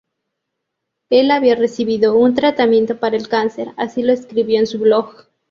Él había recibido un tratamiento para el cáncer, así lo escribió en su blog.